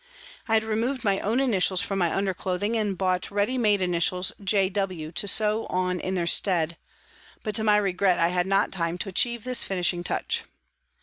I had removed my own initials from my undercloth ing, and bought the ready made initials " J. W." to sew on in their stead, but to my regret I had not time to achieve this finishing touch.